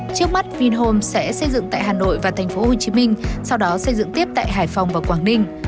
trước mắt vinhom sẽ xây dựng tại hà nội và tp hcm sau đó xây dựng tiếp tại hải phòng và quảng ninh